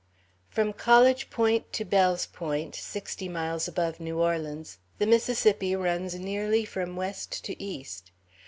From College Point to Bell's Point, sixty miles above New Orleans, the Mississippi runs nearly from west to east.